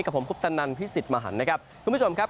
กับผมครูปศรรนรพีชศิษย์มหันต์